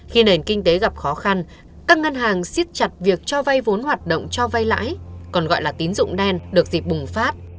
khi nền kinh tế gặp khó khăn các ngân hàng siết chặt việc cho vay vốn hoạt động cho vay lãi còn gọi là tín dụng đen được dịp bùng phát